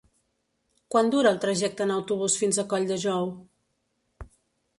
Quant dura el trajecte en autobús fins a Colldejou?